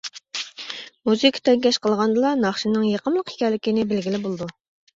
مۇزىكا تەڭكەش قىلغاندىلا، ناخشىنىڭ يېقىملىق ئىكەنلىكىنى بىلگىلى بولىدۇ.